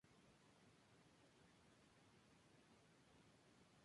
Actualmente, está en fase de inicio la construcción de nuevas viviendas de este tipo.